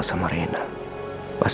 dari almarhum pak roy